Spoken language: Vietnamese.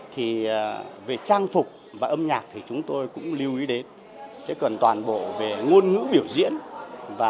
thì về trang phục và âm nhạc thì chúng tôi cũng lưu ý đến thế còn toàn bộ về ngôn ngữ biểu diễn và